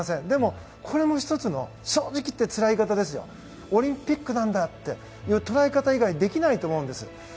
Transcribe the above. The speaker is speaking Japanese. でも、これも１つの正直言って、つらい言い方ですがオリンピックなんだっていう捉え方以外できないと思うんです。